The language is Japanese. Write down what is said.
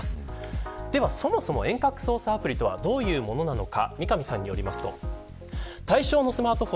そもそも遠隔操作アプリとはどういうものなのか。